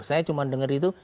saya cuma dengar itu